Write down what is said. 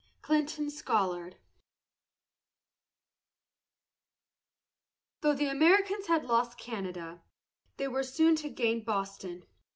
CLINTON SCOLLARD. Though the Americans had lost Canada, they were soon to gain Boston.